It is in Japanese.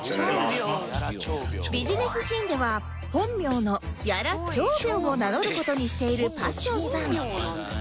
ビジネスシーンでは本名の「屋良朝苗」を名乗る事にしているパッションさん